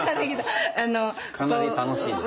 かなり楽しいです。